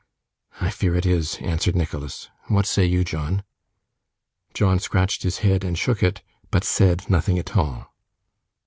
'I fear it is,' answered Nicholas. 'What say you, John?' John scratched his head and shook it, but said nothing at all.